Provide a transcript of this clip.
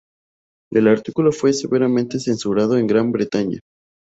El artículo fue severamente censurado en Gran Bretaña.